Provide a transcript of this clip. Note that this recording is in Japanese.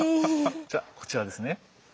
じゃあこちらですね。